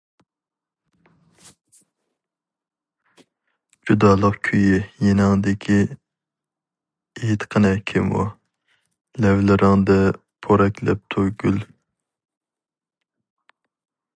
جۇدالىق كۈيى يېنىڭدىكى ئېيتقىنە كىم ئۇ؟ لەۋلىرىڭدە پورەكلەپتۇ گۈل.